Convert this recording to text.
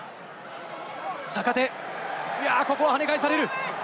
坂手、ここは跳ね返される。